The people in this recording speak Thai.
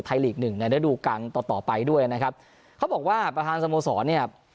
ลีกหนึ่งในระดูการต่อต่อไปด้วยนะครับเขาบอกว่าประธานสโมสรเนี่ย